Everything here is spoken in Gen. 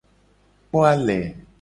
Kpo ale.